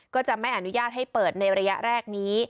ก็จะไม่อนุญาตให้เปิดในระยะแรกนี้